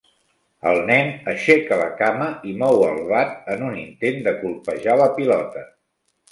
El nen aixeca la cama i mou el bat en un intent de colpejar la pilota.